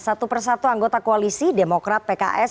satu persatu anggota koalisi demokrat pks